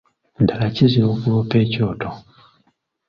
Ddala kizira okuloopa ekyoto.